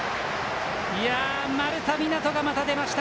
丸田湊斗がまた出ました。